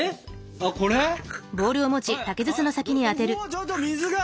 ちょっと水が！